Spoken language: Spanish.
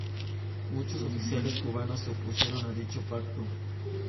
Muchos oficiales cubanos se opusieron a dicho pacto.